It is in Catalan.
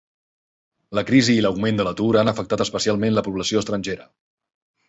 La crisi i l'augment de l'atur han afectat especialment la població estrangera.